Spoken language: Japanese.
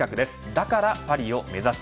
だからパリを目指す！